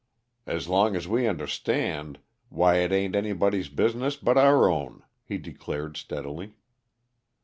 "As long as we understand, why, it ain't anybody's business but our own," he declared steadily.